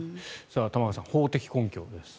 玉川さん、法的根拠です。